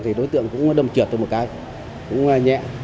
thì đối tượng cũng đâm trượt được một cái cũng nhẹ